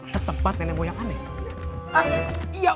ke tempat kamu mau